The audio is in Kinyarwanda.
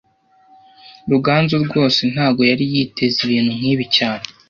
Ruganzu rwose ntago yari yiteze ibintu nkibi cyane